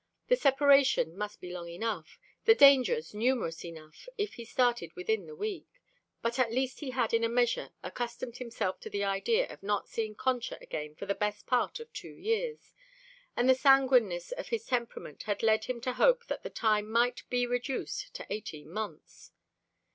The separation must be long enough, the dangers numerous enough if he started within the week, but at least he had in a measure accustomed himself to the idea of not seeing Concha again for "the best part of two years," and the sanguineness of his temperament had led him to hope that the time might be reduced to eighteen months.